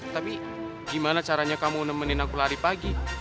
tapi gimana caranya kamu nemenin aku lari pagi